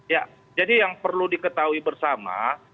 ya jadi yang perlu diketahui bersama